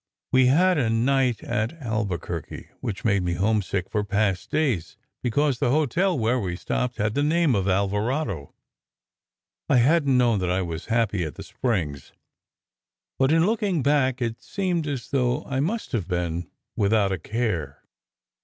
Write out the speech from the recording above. We had a night at Albu querque, which made me homesick for past days, because the hotel where we stopped had the name of Alvarado. I hadn t known that I was happy at the Springs, but in looking back it seemed as though I must have been with out a care.